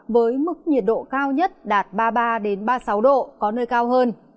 với mức nhiệt độ cao nhất đạt ba mươi ba ba mươi sáu độ có nơi cao hơn